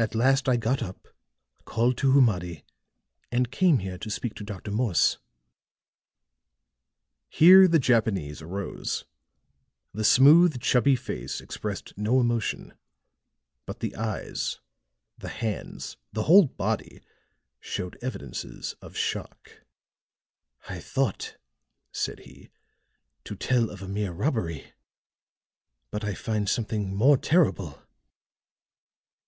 At last I got up, called to Humadi and came here to speak to Dr. Morse." Here the Japanese arose; the smooth chubby face expressed no emotion, but the eyes, the hands, the whole body showed evidences of shock. "I thought," said he, "to tell of a mere robbery; but I find something more terrible!"